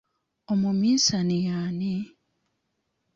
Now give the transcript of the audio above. Omumiisani yani?